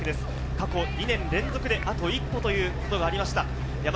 過去２年連続であと一歩ということがありました。